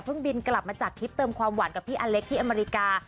บินกลับมาจัดทริปเติมความหวานกับพี่อเล็กที่อเมริกา